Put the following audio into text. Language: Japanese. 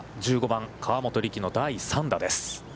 １５番、河本力の第３打です。